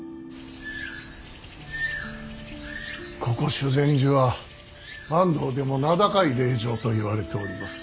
ここ修善寺は坂東でも名高い霊場といわれております。